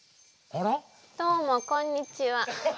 どうもこんにちは。